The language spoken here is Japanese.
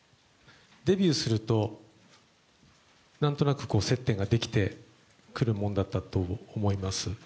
デビューすると、なんとなく接点ができてくるものだったと思います。